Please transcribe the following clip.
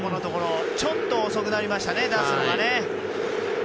ちょっと遅くなりましたね出すのがね。